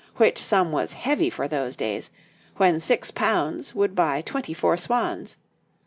which sum was heavy for those days, when £6 would buy twenty four swans.